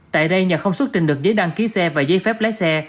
tại đây nhà không xuất trình được giấy đăng ký xe và giấy phép lái xe